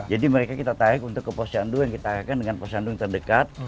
jadi mereka kita tarik untuk ke pos candu yang kita tarikan dengan pos candu yang terdekat